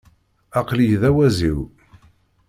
Aql-iyi d awaziw.